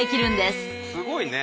すごいね。